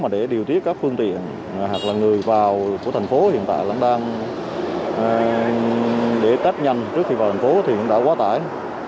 thành phố mà để điều tiết các phương tiện hoặc là người vào của thành phố hiện tại đang để tách nhanh trước khi vào thành phố thì cũng đã quá tải